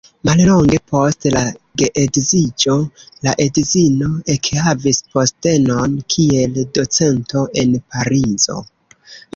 Mallonge post la geedziĝo la edzino ekhavis postenon kiel docento en Parizo.